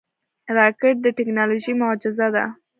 راکټ د ټکنالوژۍ معجزه ده